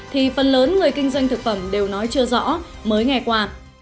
thì phần lớn người kinh doanh thực phẩm đều nói chưa rõ mới nghe qua